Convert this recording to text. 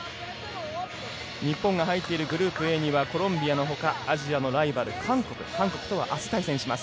日本が入っているグループＡにはコロンビアのほかアジアのライバル、韓国とはあす対戦します。